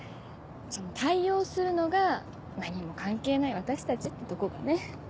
その対応をするのが何も関係ない私たちってとこがね。